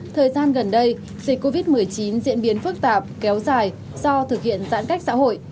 thời gian gần đây dịch covid một mươi chín diễn biến phức tạp kéo dài do thực hiện giãn cách xã hội